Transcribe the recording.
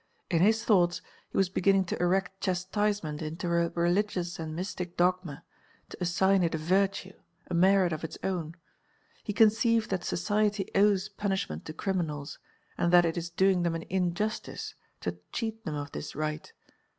In his thoughts he was beginning to erect chastisement into a religious and mystic dogma, to assign it a virtue, a merit of its own; he conceived that society owes punishment to criminals and that it is doing them an injustice to cheat them of this right.